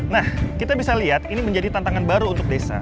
nah kita bisa lihat ini menjadi tantangan baru untuk desa